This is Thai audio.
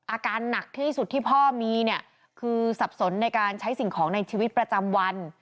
อาการหนักที่สุดที่พ่อมีเนี่ยคือสับสนในการใช้สิ่งของในชีวิตประจำวัน